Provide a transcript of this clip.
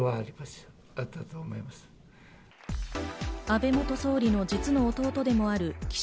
安倍元総理の実の弟でもある岸